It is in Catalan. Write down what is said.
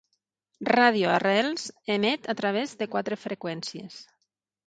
Ràdio Arrels emet a través de quatre freqüències.